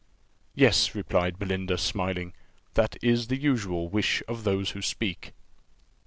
"Yes," replied Belinda, smiling; "that is the usual wish of those who speak."